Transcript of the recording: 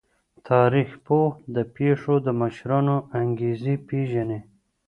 تاریخ پوه د پیښو د مشرانو انګیزې پیژني.